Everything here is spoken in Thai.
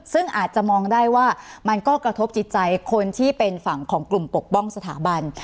ซึ่งอาจจะมองได้ว่ามันก็กระทบจิตใจคนที่เป็นฝั่งของกลุ่มปกป้องสถาบัน